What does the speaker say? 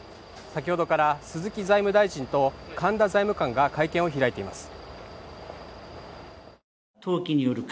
先ほどから鈴木財務大臣と神田財務官が会見を開いています。